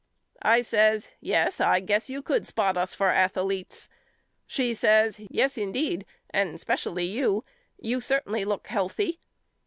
I says Yes I guess you could spot us for athaletes. She says Yes indeed and specially you. You certainly look healthy.